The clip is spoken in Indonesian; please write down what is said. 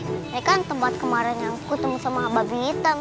ini kan tempat kemarin yang kutung sama babi hitam